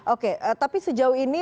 oke tapi sejauh ini